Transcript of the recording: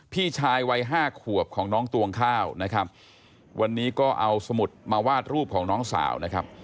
พี่ชายวัยห้าขวบของน้องตวงข้าวนะครับวันนี้ก็เอาสมุดมาวาดรูปของน้องสาวนะครับ